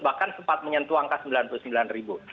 bahkan sempat menyentuh angka sembilan puluh sembilan ribu